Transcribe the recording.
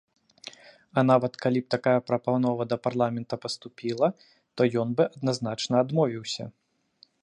А нават калі б такая прапанова да парламента паступіла, то ён бы адназначна адмовіўся.